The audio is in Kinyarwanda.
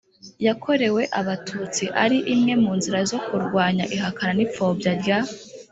yakorewe abatutsi ari imwe mu nzira zo kurwanya ihakana n ipfobywa rya